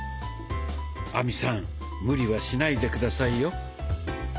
亜美さん無理はしないで下さいよ。